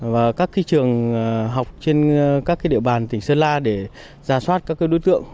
và các trường học trên các địa bàn tỉnh sơn la để ra soát các đối tượng